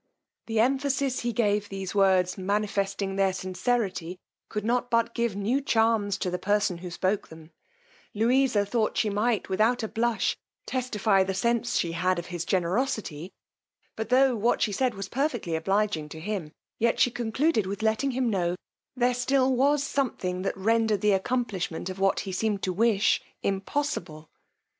The emphasis he gave these words manifesting their sincerity, could not but give new charms to the person who spoke them: Louisa thought she might, without a blush, testify the sense she had of his generosity; but tho' what she said was perfectly obliging to him, yet she concluded with letting him know, there still was something that rendered the accomplishment of what he seemed to wish impossible.